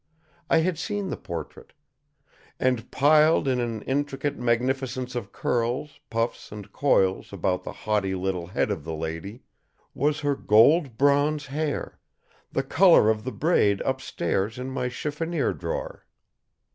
I had seen the portrait. And piled in an intricate magnificence of curls, puffs and coils about the haughty little head of the lady, was her gold bronze hair; the color of the braid upstairs in my chiffonier drawer.